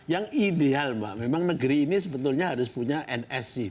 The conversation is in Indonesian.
yang ideal mbak memang negeri ini sebetulnya harus punya nfc